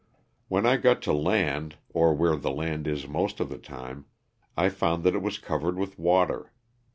When I got to land, or where the land is most of the time, I found that it was covered with water.